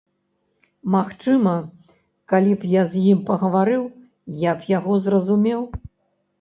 Магчыма, калі б я з ім пагаварыў, я б яго зразумеў.